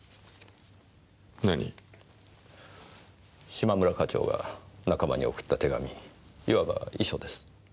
嶋村課長が仲間に送った手紙いわば遺書です。